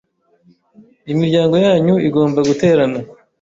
imiryango yanyu igomba guterana